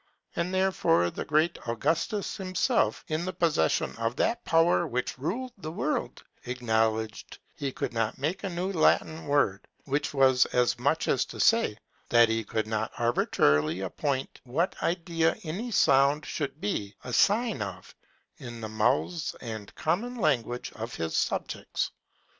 And therefore the great Augustus himself, in the possession of that power which ruled the world, acknowledged he could not make a new Latin word: which was as much as to say, that he could not arbitrarily appoint what idea any sound should be a sign of, in the mouths and common language of his subjects.